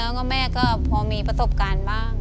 แล้วก็แม่ก็พอมีประสบการณ์บ้าง